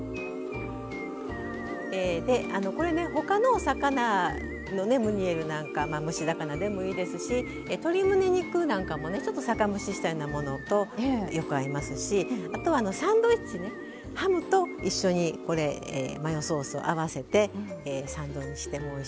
でこれね他のお魚のムニエルなんかまあ蒸し魚でもいいですし鶏むね肉なんかもねちょっと酒蒸ししたようなものとよく合いますしあとはサンドイッチねハムと一緒にこれマヨソースを合わせてサンドにしてもおいしいです。